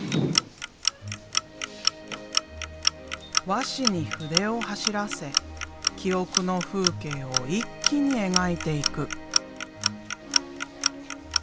和紙に筆を走らせ記憶の風景を一気に描いていく。